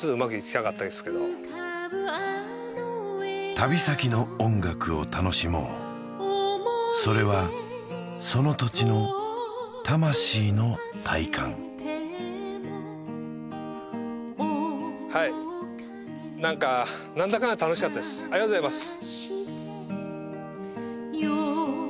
旅先の音楽を楽しもうそれはその土地の魂の体感はい何かありがとうございます